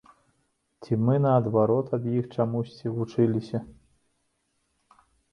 Ці мы, наадварот, ад іх чамусьці вучыліся?